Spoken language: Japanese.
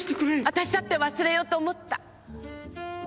私だって忘れようと思った。